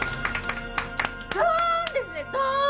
ドーンですねドーン！